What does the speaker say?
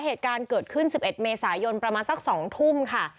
เหตุการณ์เกิดขึ้น๑๑เมษายนประมาณสัก๒ทุ่มค่ะ